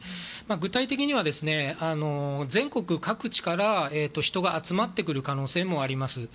具体的には、全国各地から人が集まってくる可能性もあります。